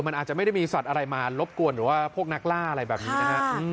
มันอาจจะไม่ได้มีสัตว์อะไรมารบกวนหรือว่าพวกนักล่าอะไรแบบนี้นะฮะ